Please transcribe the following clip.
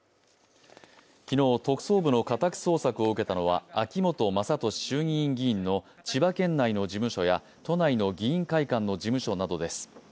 昨日、特捜部の家宅捜索を受けたのは秋本真利衆議院議員の千葉県内の事務所や都内の議員会館の事務所などです。